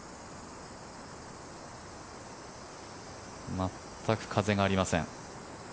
全く風がありません。